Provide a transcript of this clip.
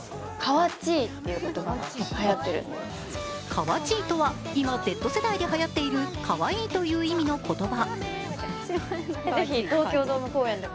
かわちぃとは今Ｚ世代ではやっているかわいいという意味の言葉。